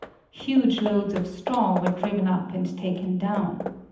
Huge loads of straw were driven up and taken down.